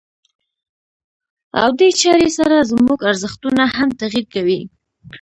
او دې چارې سره زموږ ارزښتونه هم تغيير کوي.